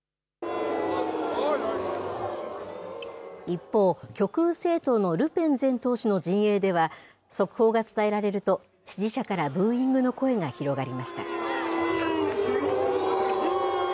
一方、極右政党のルペン前党首の陣営では、速報が伝えられると、支持者からブーイングの声が広がりました。